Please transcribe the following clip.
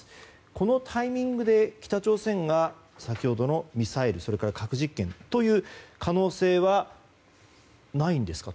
このタイミングで北朝鮮が先ほどのミサイル、それから核実験に出る可能性はないんですか？